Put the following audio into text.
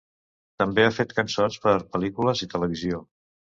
També ha fet cançons per pel·lícules i televisió.